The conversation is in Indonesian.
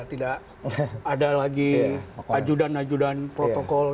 tidak ada lagi ajudan ajudan protokol